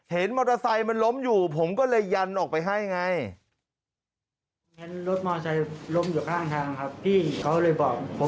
เป็นนิสัยมีเอรินมีน้ำใจครับ